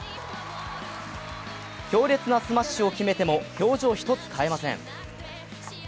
強烈なスマッシュを決めても表情一つ変えません。